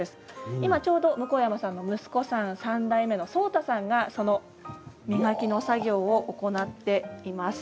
今ちょうど向山さんの息子さん３代目の壮大さんがその磨きの作業を行っています。